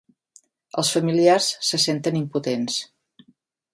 Els familiars se senten impotents.